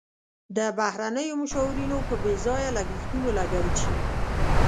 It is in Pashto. د بهرنیو مشاورینو په بې ځایه لګښتونو لګول شوي.